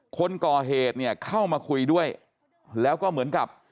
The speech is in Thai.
คนก่อเหตุเนี่ยเข้ามาคุยด้วยแล้วก็เหมือนกับ